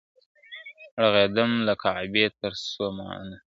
رغړېدم چي له کعبې تر سومناته ,